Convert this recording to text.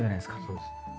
そうですね。